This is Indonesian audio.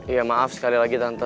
iya maaf sekali lagi tanto